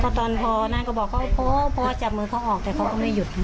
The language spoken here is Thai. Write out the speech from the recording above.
ก็ตอนพอนั่นก็บอกว่าพ่อพ่อจับมือเขาออกแต่เขาก็ไม่หยุด